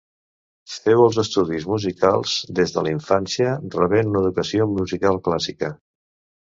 Feu els estudis musicals des de la infància, rebent una educació musical clàssica.